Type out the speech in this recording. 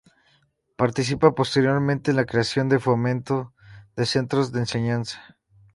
Participa posteriormente en la creación de Fomento de Centros de Enseñanza.